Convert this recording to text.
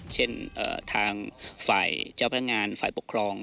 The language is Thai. เช่นทางฝ่ายเจ้าพนักงานฝ่ายปกครอง